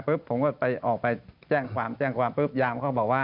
ผมก็ไปออกไปแจ้งความแจ้งความปุ๊บยามเขาบอกว่า